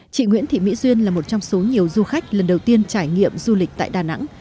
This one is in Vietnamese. chị nguyễn thị mỹ duyên là một trong số nhiều du khách lần đầu tiên trải nghiệm du lịch tại đà nẵng